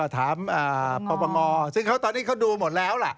ถามปปงซึ่งตอนนี้เขาดูหมดแล้วล่ะ